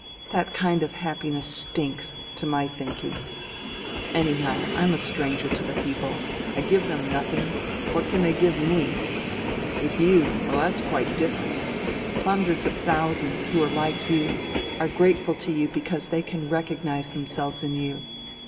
That kind of happiness stinks, to my thinking. Anyhow, I'm a stranger to the people. I give them nothing what can they give me? With you ... oh, that's quite different. Hundreds of thousands, who are like you, are grateful to you because they can recognize themselves in you.